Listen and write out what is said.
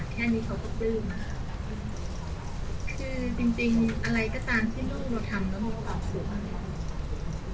แค่นี้เขาก็กลืมนะค่ะคือจริงอะไรก็ตามที่ด้วยเราทำก็ความสุขมาก